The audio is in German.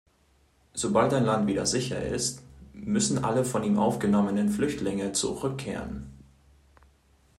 Sobald ein Land wieder sicher ist, müssen alle von ihm aufgenommenen Flüchtlinge zurückkehren.